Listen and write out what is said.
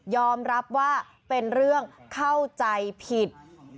รับว่าเป็นเรื่องเข้าใจผิด